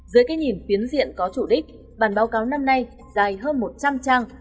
dưới cái nhìn tiến diện có chủ đích bản báo cáo năm nay dài hơn một trăm linh trang